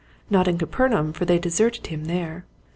Not in Capernaum for they deserted him there.